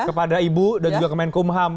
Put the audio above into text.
kepada ibu dan juga kemenkumham